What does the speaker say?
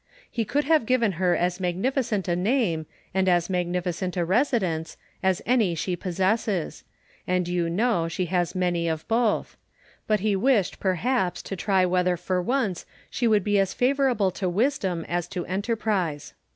He could have given her as magnificent a name, and as magnificent a residence, as any she possesses ; and you know she has many of both ; but he wished perhaps to try whether for once she would be as favourable to wisdom as to enterprise.